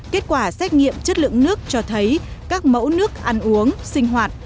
kết quả xét nghiệm chất lượng nước cho thấy các mẫu nước ăn uống sinh hoạt